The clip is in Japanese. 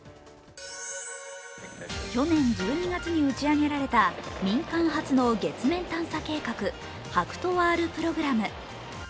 去年１２月に打ち上げられた民間初の月面探査計画、ＨＡＫＵＴＯ−Ｒプログラム。